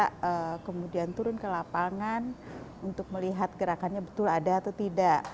kita kemudian turun ke lapangan untuk melihat gerakannya betul ada atau tidak